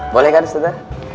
boleh kan ustadz